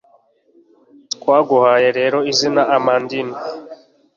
twaguhaye rero izina amandine